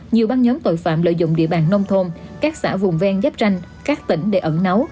nhiều băng nhóm tội phạm lợi dụng địa bàn nông thôn các xã vùng ven giáp ranh các tỉnh để ẩn nấu